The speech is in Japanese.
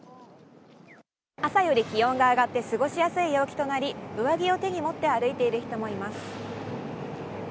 朝より気温が上がって過ごしやすい陽気となり、上着を手に持って歩いている人もいます。